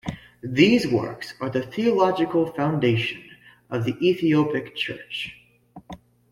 These works are the theological foundation of the Ethiopic Church.